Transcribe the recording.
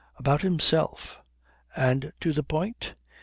.. about himself." "And to the point?"